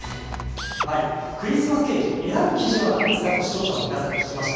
クリスマスケーキ、選ぶ基準は何ですかと視聴者の皆さんに聞きました。